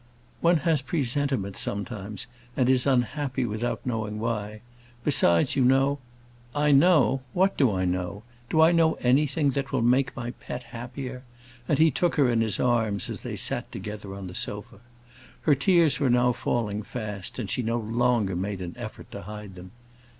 "One has presentiments sometimes, and is unhappy without knowing why. Besides, you know " "I know! What do I know? Do I know anything that will make my pet happier?" and he took her in his arms as they sat together on the sofa. Her tears were now falling fast, and she no longer made an effort to hide them.